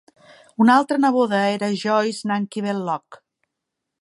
Una altra neboda era Joice NanKivell Loch.